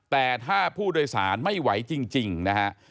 แต่ถ้าผู้โดยสารไม่ไหวจริงนะฮะ